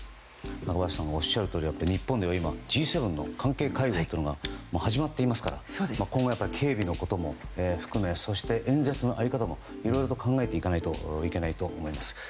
中林さんがおっしゃる通り日本ではＧ７の関係会合も始まっていますから今後、警備のことも含めそして演説の在り方もいろいろと考えていかないといけないと思います。